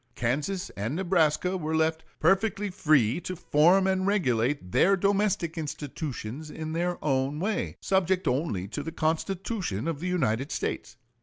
Kansas and Nebraska were left "perfectly free to form and regulate their domestic institutions in their own way, subject only to the Constitution of the United States."